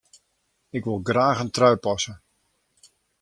Ik wol graach in trui passe.